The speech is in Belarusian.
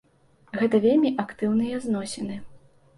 Гэта вельмі актыўныя зносіны.